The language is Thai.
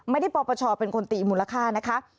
ปปชเป็นคนตีมูลค่านะคะ